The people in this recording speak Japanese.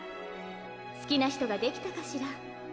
好きな人ができたかしら？